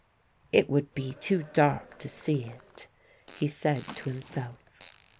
"It would be too dark to see it," he said to himself.